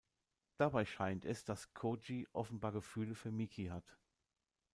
Dabei scheint es, dass Koji offenbar Gefühle für Miki hat.